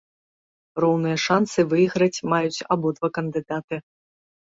Роўныя шанцы выйграць маюць абодва кандыдаты.